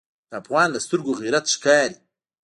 د افغان له سترګو غیرت ښکاري.